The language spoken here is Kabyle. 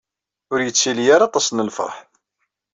Ur yettili ara waṭas n lfeṛḥ.